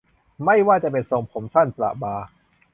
ไม่ว่าจะเป็นทรงผมสั้นประบ่า